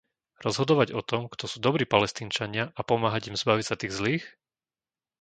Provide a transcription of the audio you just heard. Rozhodovať o tom, kto sú dobrí Palestínčania a pomáhať im zbaviť sa tých zlých?